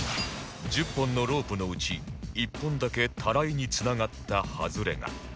１０本のロープのうち１本だけタライにつながったハズレが